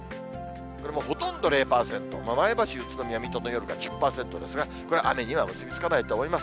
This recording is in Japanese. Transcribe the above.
これもほとんど０％、前橋、宇都宮、水戸の夜が１０％ですが、これ、雨には結び付かないと思います。